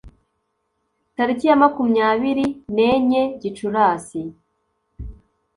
Tariki ya makumyabiri nenye Gicurasi